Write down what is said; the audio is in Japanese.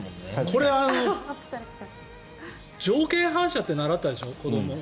これは条件反射って習ったでしょ。